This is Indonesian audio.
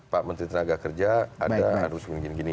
pak menteri tenaga kerja ada harus begini gini